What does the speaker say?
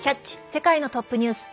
世界のトップニュース」